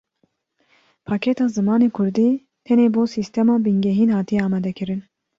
Pakêta zimanê kurdî tenê bo sîstema bingehîn hatiye amadekirin.